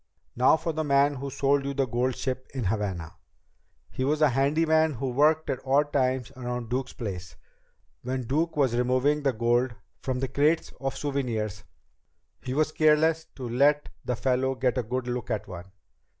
"Now for the man who sold you the gold ship in Havana. He was a handyman who worked at odd times around Duke's place. When Duke was removing the gold from the crates of souvenirs, he was careless to let the fellow get a good look at one.